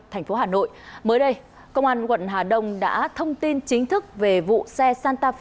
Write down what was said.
thành phố hà nội mới đây công an quận hà đông đã thông tin chính thức về vụ xe santaf